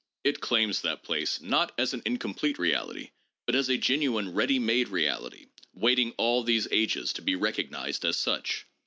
It claims that place, not as an incomplete reality, but as a genuine ready made reality, waiting all these ages to be recognized as such.